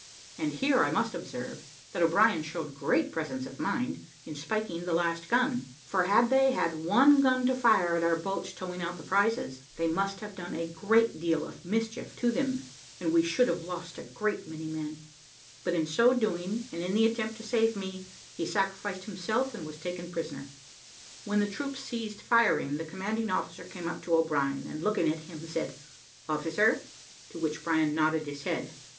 And here I must observe, that O'Brien showed great presence of mind in spiking the last gun; for had they had one gun to fire at our boats towing out the prizes, they must have done a great deal of mischief to them, and we should have lost a great many men; but in so doing, and in the attempt to save me, he sacrificed himself, and was taken prisoner. When the troops ceased firing, the commanding officer came up to O'Brien, and looking at him, said, "Officer?" to which O'Brien nodded his head.